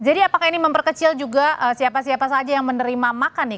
jadi apakah ini memperkecil juga siapa siapa saja yang menerima makan nih